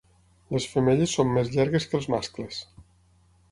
Les femelles són més llargues que els mascles.